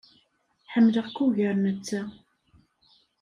Ḥemmleɣ-k ugar netta.